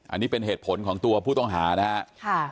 อันนี้เป็นเหตุผลของตัวผู้ต้องหานะครับ